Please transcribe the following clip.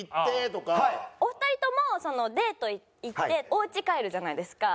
お二人ともデート行っておうち帰るじゃないですか。